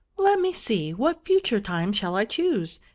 Let me see! what future time shall I choose